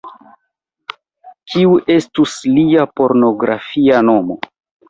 Kiu estus lia pornografia nomo?